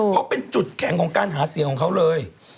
เพราะเป็นจุดแข็งของการหาเสียงของเขาเลย